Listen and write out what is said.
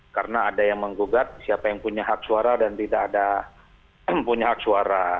karena ada yang menggugat siapa yang punya hak suara dan tidak ada punya hak suara